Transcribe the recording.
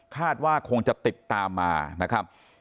คาดว่าคงจะติดตามมานะครับ